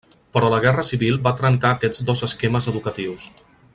Però la guerra civil va trencar aquests dos esquemes educatius.